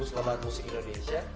gua suka banget musik indonesia